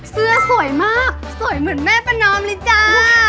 สวยมากสวยเหมือนแม่ประนอมเลยจ้า